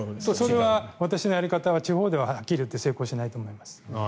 それは私のやり方は地方でははっきり言って成功しないと思います。